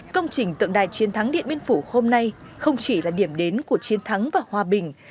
công trình tượng đài chiến thắng điện biên phủ hôm nay không chỉ là điểm đến của chiến thắng và hòa bình